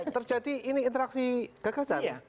terjadi ini interaksi gagasan